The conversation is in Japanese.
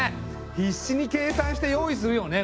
必死に計算して用意するよね